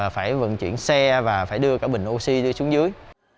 phải vận chuyển xe và phải đưa cả bình oxy đưa xuống dưới